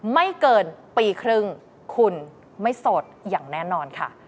ไม่เกินปีครึ่งคุณไม่โสดอย่างแน่นอนค่ะ